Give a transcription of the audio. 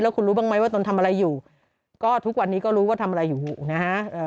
คุณรู้บ้างไหมว่าตนทำอะไรอยู่ก็ทุกวันนี้ก็รู้ว่าทำอะไรอยู่นะฮะ